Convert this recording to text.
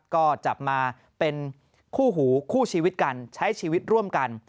ก็จับมาเป็นคู่หูคู่ชีวิตกันใช้ชีวิตร่วมกัน